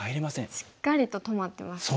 しっかりと止まってますね。